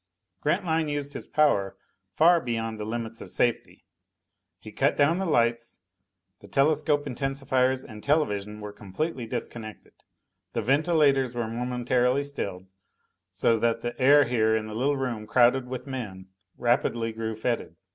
Grantline used his power far beyond the limits of safety. He cut down the lights; the telescope intensifiers and television were completely disconnected; the ventilators were momentarily stilled, so that the air here in the little room crowded with men rapidly grew fetid.